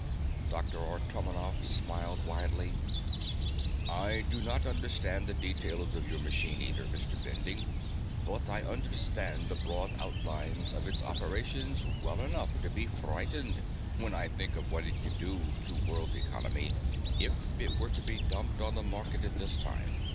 Dr. Artomonov smiled widely. "I do not understand the details of your machine, either, Mr. Bending, but I understand the broad outlines of its operations well enough to be frightened when I think of what it could do to world economy if it were to be dumped on the market at this time.